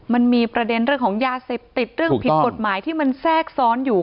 มันมีประเด็นเรื่องของยาเสพติดเรื่องผิดกฎหมายที่มันแทรกซ้อนอยู่